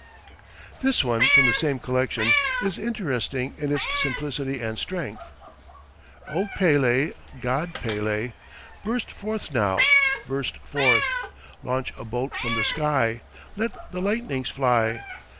This one from the same collection is interesting in its simplicity and strength: "O Pele, god Pele! Burst forth now! burst forth! Launch a bolt from the sky! Let thy lightnings fly!...